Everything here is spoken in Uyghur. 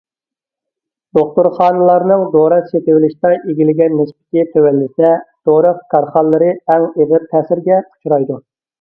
دوختۇرخانىلارنىڭ دورا سېتىۋېلىشتا ئىگىلىگەن نىسبىتى تۆۋەنلىسە، دورا كارخانىلىرى ئەڭ ئېغىر تەسىرگە ئۇچرايدۇ.